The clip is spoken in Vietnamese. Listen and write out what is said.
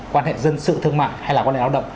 quan hệ dân sự thương mại hay là quan hệ lao động